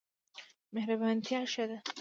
مهربانتیا ښه ده.